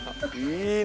いいね。